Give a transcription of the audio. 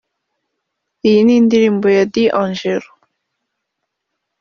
“ Iyi ni indirimbo ya D’Angelo